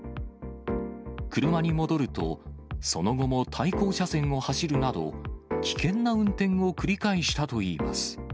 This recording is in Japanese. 車に戻ると、その後も対向車線を走るなど、危険な運転を繰り返したといいます。